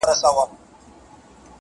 • دوه قدمه فاصله ده ستا تر وصله,